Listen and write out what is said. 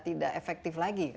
tidak efektif lagi